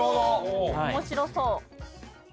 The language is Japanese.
面白そう。